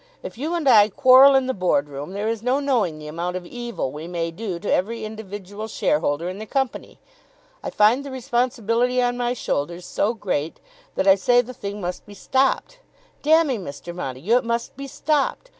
If you and I quarrel in that Board room, there is no knowing the amount of evil we may do to every individual shareholder in the Company. I find the responsibility on my own shoulders so great that I say the thing must be stopped. Damme, Mr. Montague, it must be stopped.